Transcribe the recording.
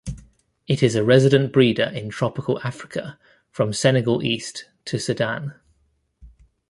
It is a resident breeder in tropical Africa from Senegal east to Sudan.